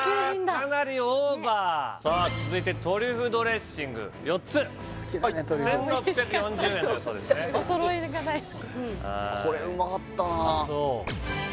かなりオーバーさあ続いてトリュフドレッシング４つ好きだねトリュフ１６４０円だそうですねおいしかったおそろいが大好きこれうまかったなあ